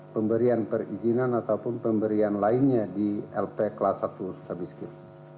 pemberian perizinan ataupun pemberian lainnya di lp kelas satu sukabiskin